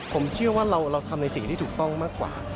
ผมเชื่อว่าเราทำในสิ่งที่ถูกต้องมากกว่า